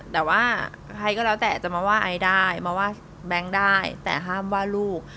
แต่ว่าใครก็แล้วแต่จะมาว่าไอได้มาว่าแบงค์ได้แต่ห้ามว่าลูก